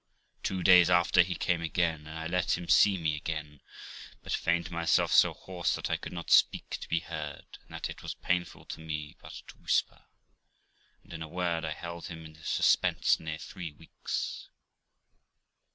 Two days after he came again, and I let him see me again, but feigned myself so hoarse that I could not speak to be heard, and, that it was painful to me but to whisper ; and, in a word, I held him in this suspense near three weeks.